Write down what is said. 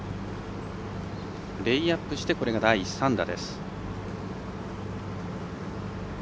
レイアップしてこれが第３打。